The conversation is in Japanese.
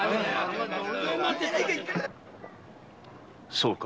そうか。